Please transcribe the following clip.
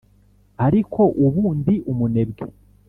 ariko ubu ndi umunebwe.